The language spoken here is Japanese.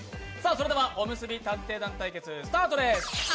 それでは「おむすび探偵団」対決スタートです。